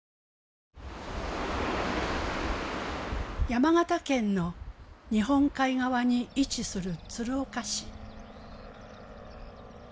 山形県の日本海側に位置する鶴岡市。